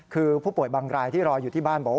คือผู้ป่วยบางรายที่รออยู่ที่บ้านบอกว่า